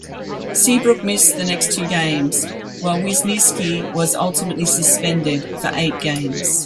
Seabrook missed the next two games, while Wisniewski was ultimately suspended for eight games.